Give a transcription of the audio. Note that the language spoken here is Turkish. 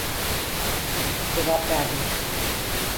Cevap verdim: